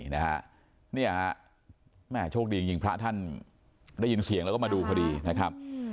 นี่ฮะแม่โชคดีจริงพระท่านได้ยินเสียงแล้วก็มาดูพอดีนะครับ